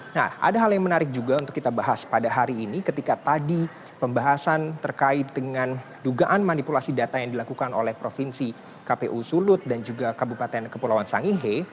nah ada hal yang menarik juga untuk kita bahas pada hari ini ketika tadi pembahasan terkait dengan dugaan manipulasi data yang dilakukan oleh provinsi kpu sulut dan juga kabupaten kepulauan sangihe